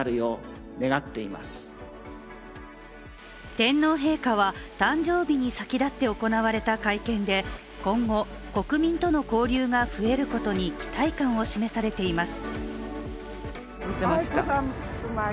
天皇陛下は誕生日に先立って行われた会見で、今後、国民との交流が増えることに期待感を示されています。